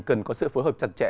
cần có sự phối hợp chặt chẽ